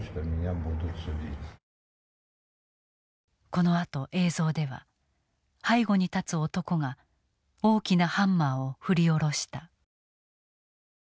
このあと映像では背後に立つ男が大きなハンマーを振り下ろした。